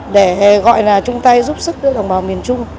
để gọi là chúng ta giúp sức đối với đồng bào miền trung